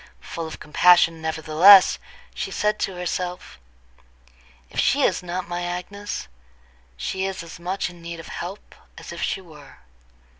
Full of compassion, nevertheless, she said to herself: "If she is not my Agnes, she is as much in need of help as if she were.